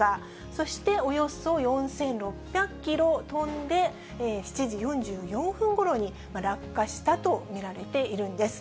そしておよそ４６００キロ飛んで、７時４４分ごろに、落下したと見られているんです。